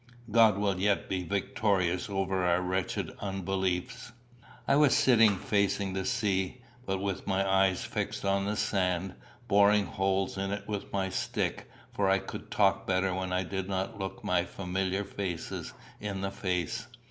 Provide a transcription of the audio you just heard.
God will yet be victorious over our wretched unbeliefs." I was sitting facing the sea, but with my eyes fixed on the sand, boring holes in it with my stick, for I could talk better when I did not look my familiar faces in the face.